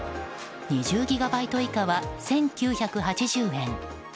２０ギガバイト以下は１９８０円。